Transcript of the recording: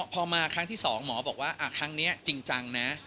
พอมาครั้งที่๒หมอบอกว่าครั้งนี้จริงจังนะ